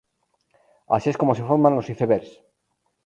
Así es como se forman los icebergs.